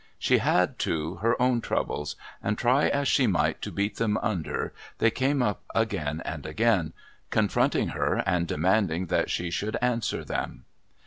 She had, too, her own troubles, and, try as she might to beat them under, they came up again and again, confronting her and demanding that she should answer them.